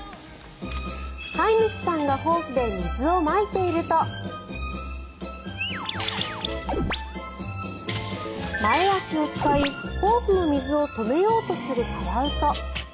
飼い主さんがホースで水をまいていると前足を使いホースの水を止めようとするカワウソ。